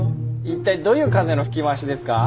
一体どういう風の吹き回しですか？